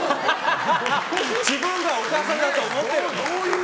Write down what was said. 自分がお母さんだと思ってる？